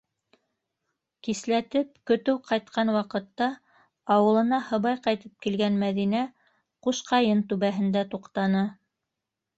Кисләтеп, көтөү ҡайтҡан ваҡытта ауылына һыбай ҡайтып килгән Мәҙинә Ҡушҡайын түбәһендә туҡтаны.